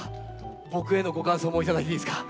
僕へのご感想も頂いていいですか？